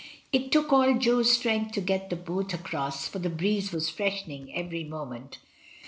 It took all Jo's strength to get the boat across, for the breeze was freshening every moment.